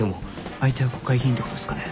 相手は国会議員ってことっすかね？